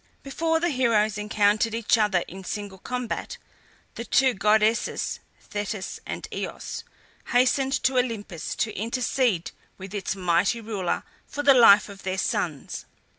Before the heroes encountered each other in single combat, the two goddesses, Thetis and Eos, hastened to Olympus to intercede with its mighty ruler for the life of their sons.